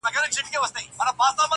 ستا د خولې سا.